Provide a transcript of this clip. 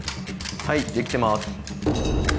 はいできてます